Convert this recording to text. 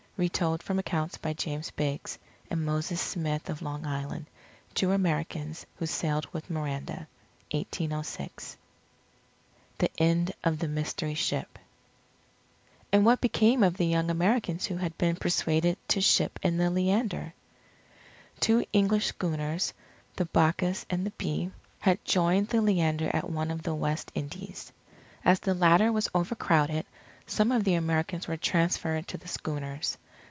Retold from accounts by James Biggs, and Moses Smith of Long Island, two Americans who sailed with Miranda, 1806 THE END OF THE MYSTERY SHIP And what became of the young Americans who had been persuaded to ship in the Leander? Two English schooners, the Bacchus and the Bee, had joined the Leander at one of the West Indies. As the latter was overcrowded, some of the Americans were transferred to the schooners.